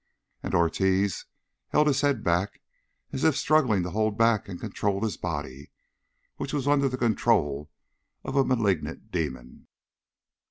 And Ortiz held his head back, as if struggling to hold back and control his body, which was under the control of a malignant demon.